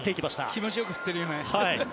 気持ちよく振ったよね。